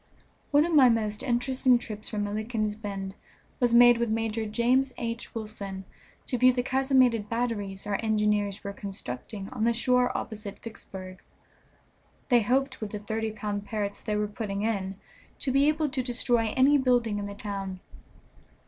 One of my most interesting trips from Milliken's Bend was made with Major James H. Wilson to view the casemated batteries our engineers were constructing on the shore opposite Vicksburg. They hoped with the thirty pound Parrotts they were putting in to be able to destroy any building in the town.